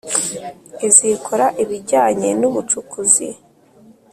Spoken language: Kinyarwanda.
Izikora ibijyanye n ubucukuzi